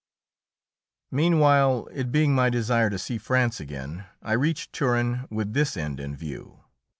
Meanwhile, it being my desire to see France again, I reached Turin with this end in view.